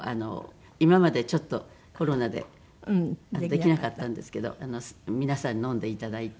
今までちょっとコロナでできなかったんですけど皆さんに飲んで頂いて。